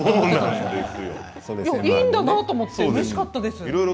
いいんだと思ってうれしかったです。